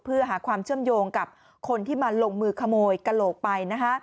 เพื่อหาความเชื่อมโยงกับคนที่มาลงมือขโมยกระโหลกไป